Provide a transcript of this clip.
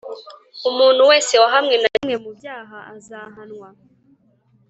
umuntu wese wahamwe na kimwe mu byaha azahanwa